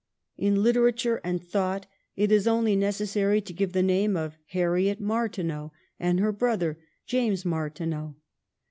In literature and thought it is only necessary to give the name of Harriet Martineau and of her brother James Martineau.